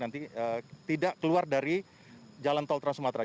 nanti kita bisa arahkan termasuk nanti tidak keluar dari jalan tol trans sumatera